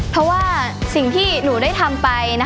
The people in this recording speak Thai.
เพราะว่าสิ่งที่หนูได้ทำไป